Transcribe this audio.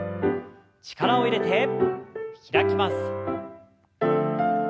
力を入れて開きます。